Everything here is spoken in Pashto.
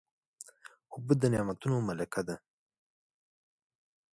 اوبه د نعمتونو ملکه ده.